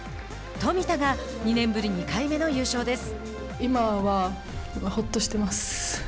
冨田が２年ぶり２回目の優勝です。